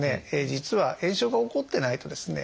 実は炎症が起こってないとですね